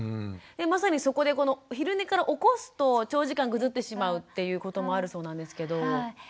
まさにそこで昼寝から起こすと長時間ぐずってしまうっていうこともあるそうなんですけど。